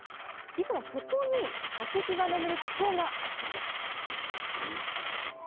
実は、そこに化石が眠る地層があったんです。